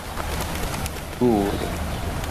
Ur.